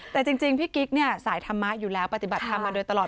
แต่จริงพี่กิ๊กเนี่ยสายธรรมะอยู่แล้วปฏิบัติธรรมมาโดยตลอด